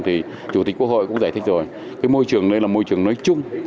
thì chủ tịch quốc hội cũng giải thích rồi cái môi trường đây là môi trường nói chung